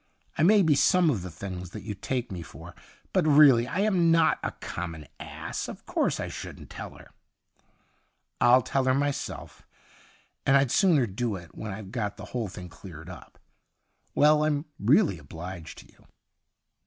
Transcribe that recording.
' I may be some of the things that you take me for, but really I am not a common ass. Of course I shouldn't tell her.' * I'll tell her myself, and I'd sooner do it when I've got the whole thing cleared up. Well, I'm really obliged to you.'